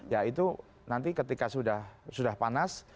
ya itu nanti ketika sudah panas